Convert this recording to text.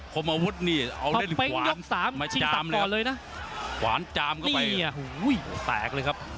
ความอาวุธนี่เอาเล่นขวานมาจามเลยนะขวานจามเข้าไปนี่เนี่ยโหแตกเลยครับ